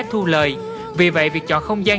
thu lời vì vậy việc chọn không gian